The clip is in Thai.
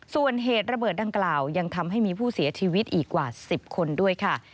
ส่วนเหตุระเบิดดังกล่าวยังทำให้มีผู้เสียชีวิตอีกกว่า๑๐คนด้วยค่ะ